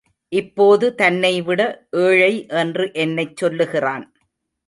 இப்போது தன்னைவிட ஏழை என்று என்னைச் சொல்லுகிறான்.